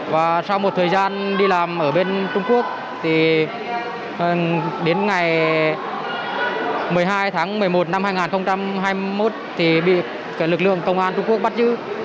và sau một thời gian đi làm ở bên trung quốc đến ngày một mươi hai tháng một mươi một năm hai nghìn hai mươi một thì bị lực lượng công an trung quốc bắt giữ